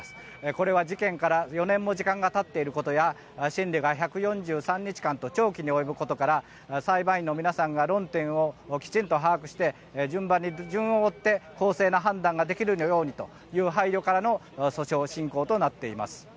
これは事件から４年も時間がたっていることや審理が１４３日間と長期に及ぶことから裁判員の皆さんが論点をきちんと把握して順を追って公正な判断ができるようにという配慮からの訴訟進行となっています。